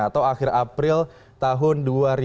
atau akhir april tahun dua ribu sembilan belas